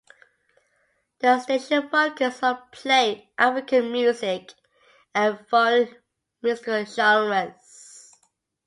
The station focus on playing African Music and foreign musical genres.